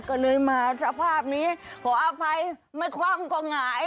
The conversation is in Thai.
ก็เลยมาสภาพนี้ขออภัยไม่คว่ำก็หงาย